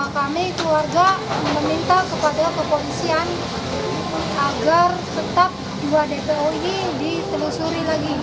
kami keluarga meminta kepada kepolisian agar tetap dua dpo ini ditelusuri lagi